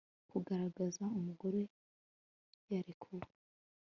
Kugaragaza umugore yarekuwe